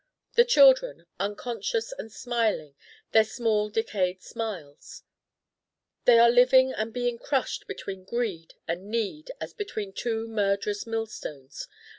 The children unconscious and smiling their small decayed smiles they are living and being crushed between greed and need as between two murderous millstones.